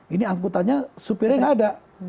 ini angkutannya supirnya nggak ada